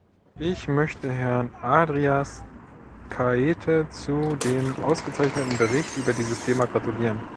Ich möchte Herrn Arias Caete zu dem ausgezeichneten Bericht über dieses Thema gratulieren.